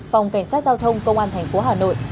phòng cảnh sát giao thông công an thành phố hà nội